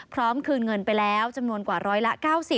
พร้อมคืนเงินไปแล้วจำนวนกว่าร้อยละ๙๐